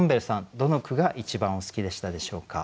どの句が一番お好きでしたでしょうか？